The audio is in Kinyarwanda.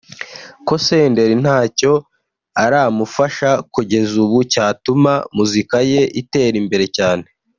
ko Senderi ntacyo aramufasha kugeza ubu cyatuma muzika ye itera imbere cyane